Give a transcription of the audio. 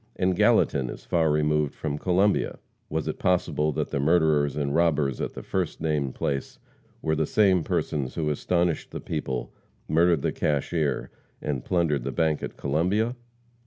And Gallatin is far removed from Columbia; was it possible that the murderers and robbers at the first named place were the same persons who astonished the people, murdered the cashier and plundered the bank at Columbia?